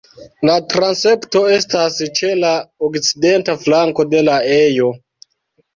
La transepto estas ĉe la okcidenta flanko de la ejo.